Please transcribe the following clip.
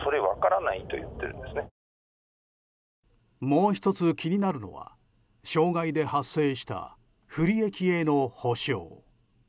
もう１つ気になるのは障害で発生した不利益への補償。